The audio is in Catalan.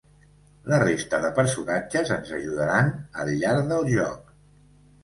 La resta de personatges ens ajudaran al llarg del joc.